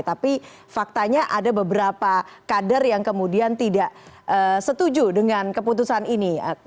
tapi faktanya ada beberapa kader yang kemudian tidak setuju dengan keputusan ini